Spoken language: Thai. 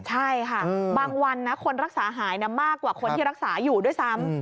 ใช่ค่ะบางวันนะคนรักษาหายมากกว่าคนที่รักษาอยู่ด้วยซ้ำ